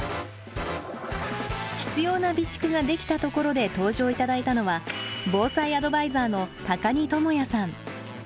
必要な備蓄ができたところで登場頂いたのは防災アドバイザーの高荷智也さん。